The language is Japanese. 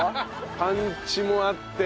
パンチもあって。